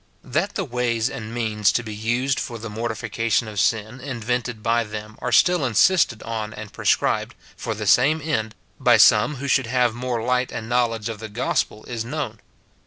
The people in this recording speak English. That the ways and means to be used for the mortifica tion of sin invented by them are still insisted on and prescribed, for the same end, by some who should have more light and knowledge of the gospel, is known.